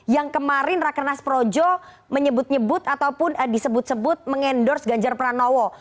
yang kemarin rakernas projo menyebut nyebut ataupun disebut sebut mengendorse ganjar pranowo